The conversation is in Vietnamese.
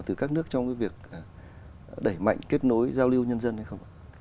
từ các nước trong cái việc đẩy mạnh kết nối giao lưu nhân dân hay không ạ